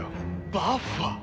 バッファ！